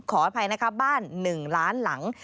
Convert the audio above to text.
ขออภัยนะคะบ้าน๑ล้านหลัง